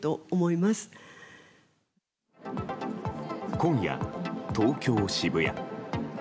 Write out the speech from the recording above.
今夜、東京・渋谷。